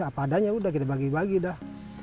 apa adanya udah kita bagi bagi dah